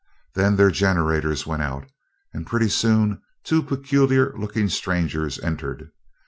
Then their generators went out, and pretty soon two peculiar looking strangers entered.